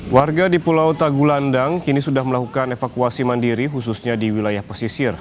warga di pulau tagulandang kini sudah melakukan evakuasi mandiri khususnya di wilayah pesisir